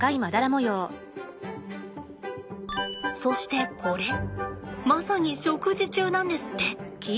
そしてこれまさに食事中なんですって。